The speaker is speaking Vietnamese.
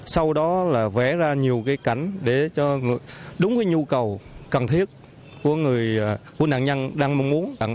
sau đó là vẽ ra nhiều cái cảnh để cho đúng cái nhu cầu cần thiết của người của nạn nhân đang mong muốn